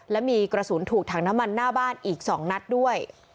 และมีกระสุนถูกถังน้ำมันหน้าบ้านอีก๒นัดด้วย